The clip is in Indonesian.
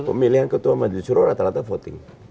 pemilihan ketua majlis syuruh rata rata voting